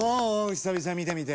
久々見てみて。